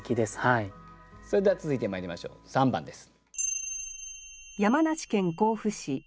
それでは続いてまいりましょう３番です。